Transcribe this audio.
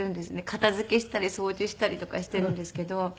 片付けしたり掃除したりとかしているんですけど。